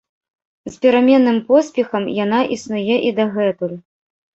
З пераменным поспехам яна існуе і дагэтуль.